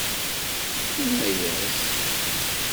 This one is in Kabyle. Yenna-as.